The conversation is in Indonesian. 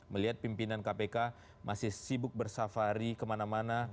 melihat pimpinan kpk masih sibuk bersafari kemana mana